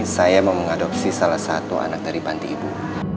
saya mau mengadopsi salah satu anak dari panti ibu